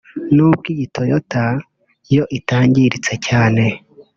n’ubwo iyi Toyota yo itangiritse cyane